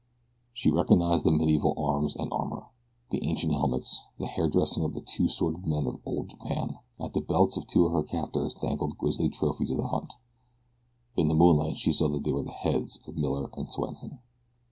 She recognized the medieval arms and armor, the ancient helmets, the hairdressing of the two sworded men of old Japan. At the belts of two of her captors dangled grisly trophies of the hunt. In the moonlight she saw that they were the heads of Miller and Swenson.